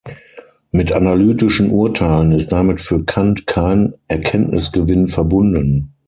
Mit analytischen Urteilen ist damit für Kant kein Erkenntnisgewinn verbunden.